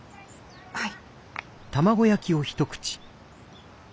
はい。